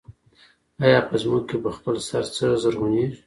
آیا په ځمکو کې په خپل سر څه زرغونېږي